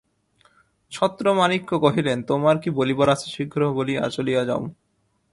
ছত্রমাণিক্য কহিলেন, তোমার কী বলিবার আছে শীঘ্র বলিয়া চলিয়া যাও।